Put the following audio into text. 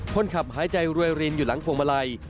หายใจรวยรินอยู่หลังพวงมาลัย